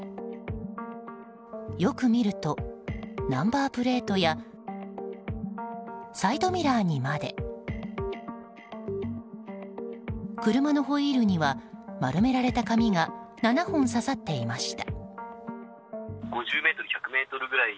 よく見ると、ナンバープレートやサイドミラーにまで。車のホイールには丸められた紙が７本刺さっていました。